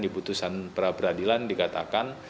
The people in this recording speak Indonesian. di putusan pra peradilan dikatakan